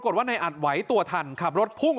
ส่งมาขอความช่วยเหลือจากเพื่อนครับ